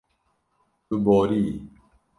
Tu boriyî.